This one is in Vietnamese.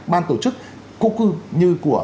ban tổ chức cố cư như của